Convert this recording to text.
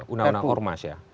undang undang ormas ya